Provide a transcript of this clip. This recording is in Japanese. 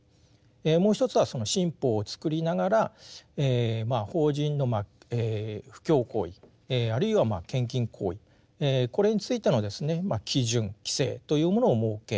もう一つはその新法を作りながら法人の布教行為あるいは献金行為これについてのですね基準・規制というものを設け